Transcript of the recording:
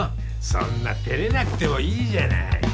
そんな照れなくてもいいじゃない。